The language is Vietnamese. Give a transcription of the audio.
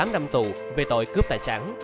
một mươi tám năm tù về tội cướp tài sản